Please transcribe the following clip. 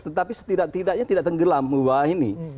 tetapi setidak tidaknya tidak tenggelam wah ini